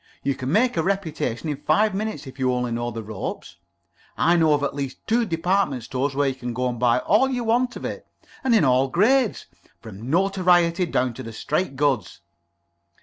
You can make a reputation in five minutes, if you only know the ropes. I know of at least two department stores where you can go and buy all you want of it, and in all its grades from notoriety down to the straight goods."